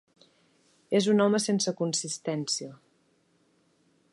És un home sense consistència.